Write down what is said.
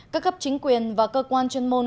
các cấp chính quyền và cơ quan chuyên môn